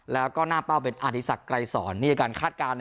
แล้วก็หน้าเป้าเป็นอาริสักไกรศรในการคาดการณ์